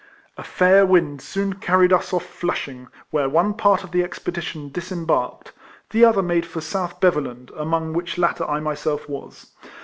A fair wind soon carried us off Flushing, where one part of the expedition disembarked ; the other made for South Beveland, among which latter I myself was.